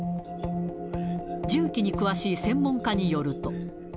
銃器に詳しい専門家によると。